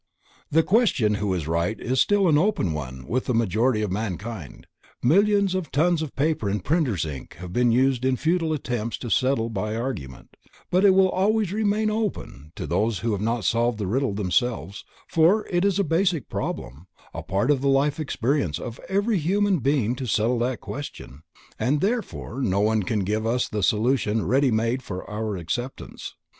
The question who is right is still an open one with the majority of mankind. Millions of tons of paper and printer's ink have been used in futile attempts to settle it by argument, but it will always remain open to all who have not solved the riddle themselves, for it is a basic problem, a part of the life experience of every human being to settle that question, and therefore no one can give us the solution ready made for our acceptance.